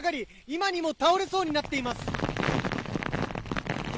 今にも倒れそうになっています。